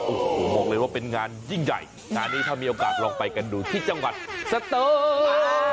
โอ้โหบอกเลยว่าเป็นงานยิ่งใหญ่งานนี้ถ้ามีโอกาสลองไปกันดูที่จังหวัดสตูน